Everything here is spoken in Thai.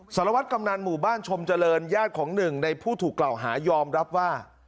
สารวัตรกำนันหมู่บ้านชมเจริญญาติของหนึ่งในผู้ถูกกล่าวหายอมรับว่า